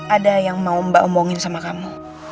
ada yang mau mbak omongin sama kamu